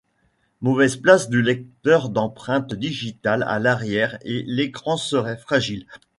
Mauvaise place du lecteur d'empreintes digitales à l'arrière et l’écran serait fragile.